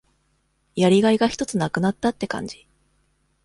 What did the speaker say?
やりがいがひとつ無くなったって感じ。